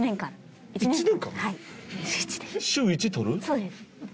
そうです。